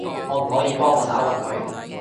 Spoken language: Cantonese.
可唔可以幫我打暈佢？